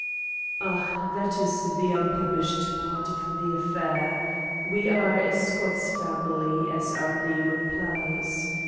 "Ah, that is the unpublished part of the affair. We are a Scots family, as our name implies.